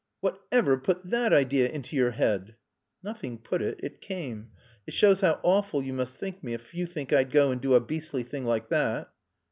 "Whatever put that idea into your head?" "Nothing put it. It came. It shows how awful you must think me if you think I'd go and do a beastly thing like that."